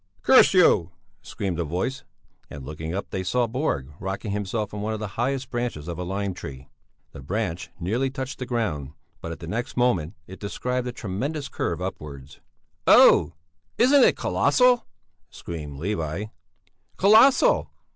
"Curse you!" screamed a voice, and looking up they saw Borg rocking himself on one of the highest branches of a lime tree. The branch nearly touched the ground, but at the next moment it described a tremendous curve upwards. "Oh! Isn't it colossal!" screamed Levi. "Colossal!"